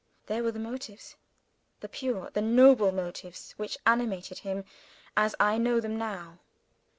There were the motives the pure, the noble motives which animated him, as I know them now.